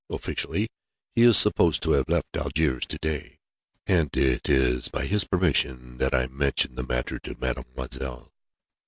Officially, he is supposed to have left Algiers to day. And it is by his permission that I mention the matter to Mademoiselle."